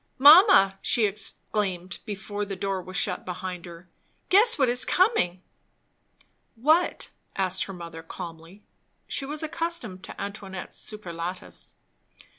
"Mamma!" she exclaimed, before the door was shut behind her, "Guess what is coming." "What?" said her mother calmly. She was accustomed to Antoinette's superlatives.